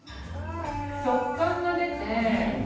食感が出て。